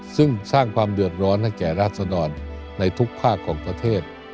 ซึ่งสร้างความเดือดร้อนให้แก่ราศดรในทุกภาคของประเทศ